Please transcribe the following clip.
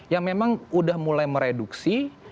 yang memang sudah mulai mereduksi